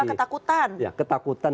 paling tinggi adalah ketakutan